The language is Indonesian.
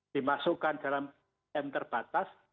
dimasukkan dalam m terbatas